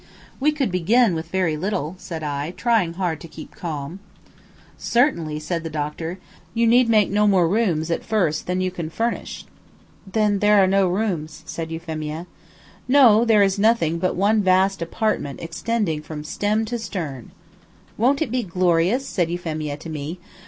"We could begin with very little," said I, trying hard to keep calm. "Certainly," said the doctor, "you need make no more rooms, at first, than you could furnish." "Then there are no rooms," said Euphemia. "No, there is nothing but one vast apartment extending from stem to stern." "Won't it be glorious!" said Euphemia to me.